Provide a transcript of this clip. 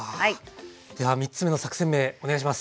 では３つ目の作戦名お願いします。